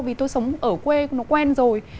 vì tôi sống ở quê nó quen rồi